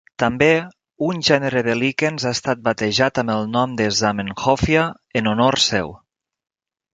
També, un gènere de líquens ha estat batejat amb el nom de Zamenhofia en honor seu.